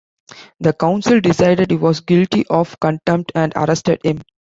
The council decided he was guilty of contempt and arrested him.